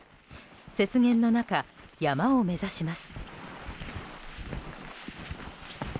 雪原の中、山を目指します。